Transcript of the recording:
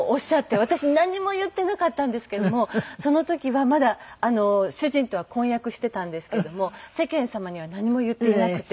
私なんにも言っていなかったんですけどもその時はまだ主人とは婚約していたんですけども世間様には何も言っていなくて。